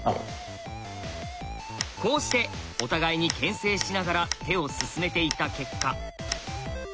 こうしてお互いに牽制しながら手を進めていった結果。